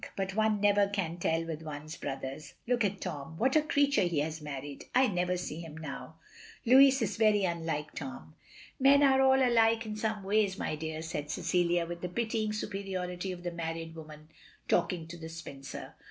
But one never can tell with one's brothers. Look at Tom. What a creature he has married. I never see him now. " "Louis is very unlike Tom." "Men are all alike in some ways, my dear," said Cecilia, with the pitying superiority of the married woman talking to the spinster.